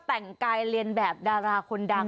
แต่งกายเรียนแบบดาราคนดัง